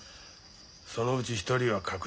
そのうち１人は確実。